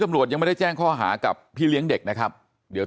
ตำรวจยังไม่ได้แจ้งข้อหากับพี่เลี้ยงเด็กนะครับเดี๋ยว